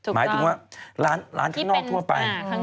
หมายถึงว่าร้านข้างนอกทั่วไป